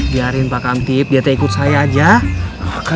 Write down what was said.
biarin pak gantip ikut saya saja